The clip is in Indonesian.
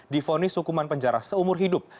difonis hukuman penjara seumur hidup